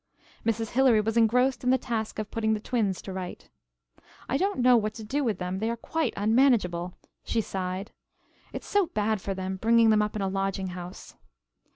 Mrs. Hilary was engrossed in the task of putting the twins to rights. "I don't know what to do with them, they are quite unmanageable," she sighed. "It's so bad for them bringing them up in a lodging house."